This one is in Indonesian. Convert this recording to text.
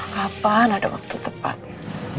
kapan ada waktu tepatnya